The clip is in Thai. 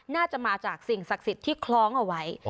น่าจะมาจากสิ่งศักดิ์สิทธิ์ที่คล้องเอาไว้